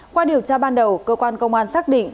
qua điều tra ban đầu cơ quan công an xác định